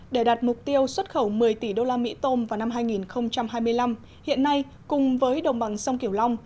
để đạt mục tiêu xuất khẩu một mươi tỷ đô la mỹ tôm vào năm hai nghìn hai mươi năm hiện nay cùng với đồng bằng sông kiểu long